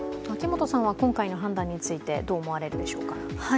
今回の判断について、どう思われるでしょうか？